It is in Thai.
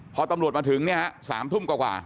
พอตำรวจมาถึงเนี่ย๓ทุ่มกว่า